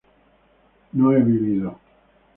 no he vivido